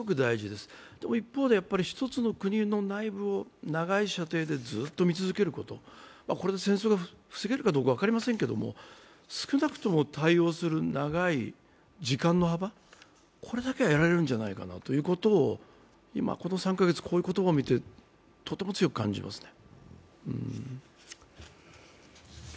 でも、一方でやっぱり一つの国の内部を長い射程でずっと見続けること、これで戦争が防げるかどうか分かりませんけれども、少なくとも対応する長い時間の幅、これだけはやられるんじゃないかということを今この３カ月、こういう言葉を見てとても強く感じますね。